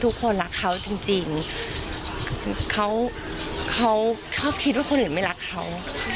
ทุกคนรักเขาจริงเขาเขาคิดว่าคนอื่นไม่รักเขา